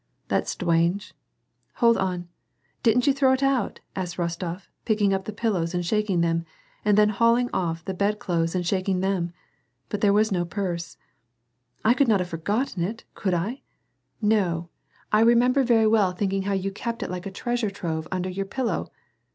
" That's stwange." " Hold on, didn't you throw it out ?" asked Rostof, picking up the pillows and shaking them, and then hauling o£E the bed clothes and shaking them. But there was no purse. " I could not have forgotten it, could I ? No, I remember 154 WAR AND PEACE, yeiy well thinking how jon kept it like a treasure trove, under your pillow.